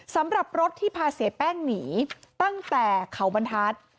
สำหรับรถที่พาเสียแป้งหนีตั้งแต่เขาบรรทัศน์